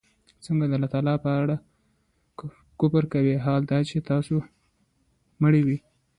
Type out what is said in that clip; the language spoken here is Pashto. څنگه د الله په اړه كفر كوئ! حال دا چي تاسو مړه وئ